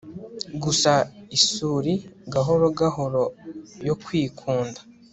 gusa isuri gahoro gahoro yo kwikunda